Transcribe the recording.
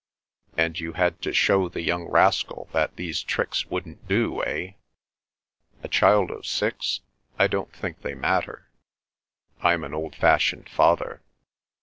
"And you had to show the young rascal that these tricks wouldn't do, eh?" "A child of six? I don't think they matter." "I'm an old fashioned father."